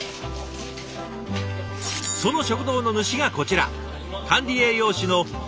その食堂の主がこちら。